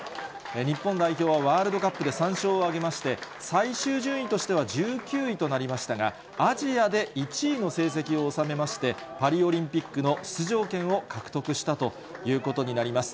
日本代表はワールドカップで３勝を挙げまして、最終順位としては１９位となりましたが、アジアで１位の成績を収めまして、パリオリンピックの出場権を獲得したということになります。